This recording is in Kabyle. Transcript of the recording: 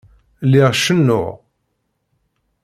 Lliɣ cennuɣ.